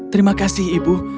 terima kasih ibu